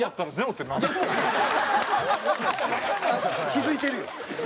気付いてるよ。